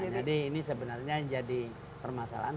jadi ini sebenarnya jadi permasalahan